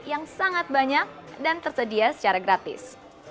yang sangat banyak dan tersedia secara gratis